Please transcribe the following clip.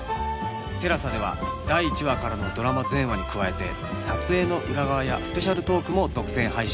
ＴＥＬＡＳＡ では第１話からのドラマ全話に加えて撮影の裏側やスペシャルトークも独占配信中